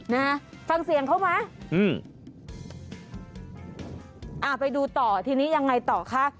นะฮะฟังเสียงเขาไหมอืมอ่าไปดูต่อทีนี้ยังไงต่อคะ